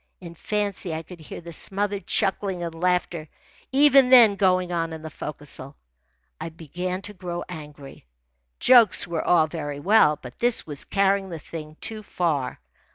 In fancy I could hear the smothered chuckling and laughter even then going on in the forecastle. I began to grow angry. Jokes were all very well, but this was carrying the thing too far.